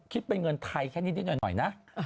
คิดเป็นเงินไทยแค่นิดหน่อยนะ